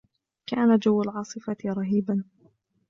كان جو العاصفة رهيبا.